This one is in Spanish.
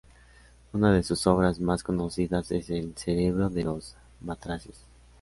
Una de sus obras más conocidas es ""El cerebro de los batracios"".